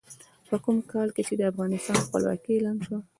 په کوم کال کې د افغانستان خپلواکي اعلان شوه؟